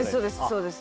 そうです